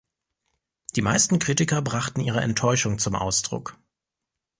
Die meisten Kritiker brachten ihre Enttäuschung zum Ausdruck.